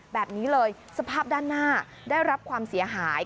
แบบนี้เลยสภาพด้านหน้าได้รับความเสียหาย